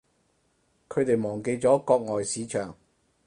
佢哋忘記咗國外市場